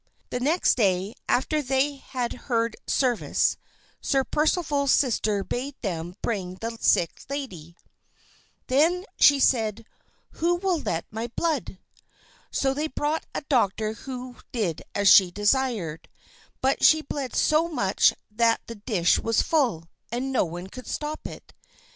The next day, after they had heard service, Sir Percival's sister bade them bring the sick lady. Then said she, "Who shall let my blood?" So they brought a doctor who did as she desired; but she bled so much that the dish was full, and no one could stop it.